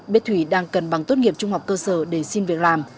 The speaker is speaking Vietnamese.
biết thủy đang cần bằng tốt nghiệp trung học cơ sở để xin việc làm